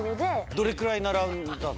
どれくらい並んだの？